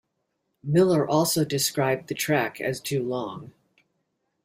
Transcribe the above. Miller also described the track as too long.